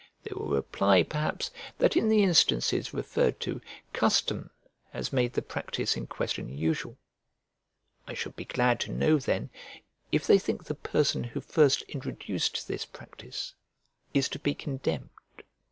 They will reply, perhaps, that in the instances referred to custom has made the practice in question usual: I should be glad to know, then, if they think the person who first introduced this practice is to be condemned?